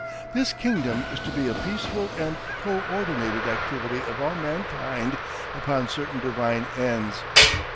This kingdom is to be a peaceful and co ordinated activity of all mankind upon certain divine ends.